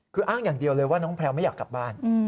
คืออ้างอย่างเดียวเลยว่าน้องแพลวไม่อยากกลับบ้าน